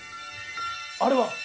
あれは？